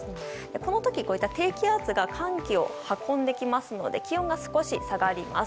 この時、低気圧が寒気を運んできますので気温が少し下がります。